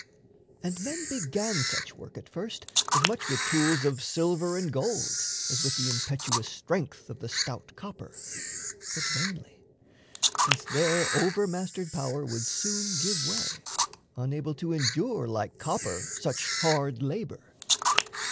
And men began such work At first as much with tools of silver and gold As with the impetuous strength of the stout copper; But vainly since their over mastered power Would soon give way, unable to endure, Like copper, such hard labour.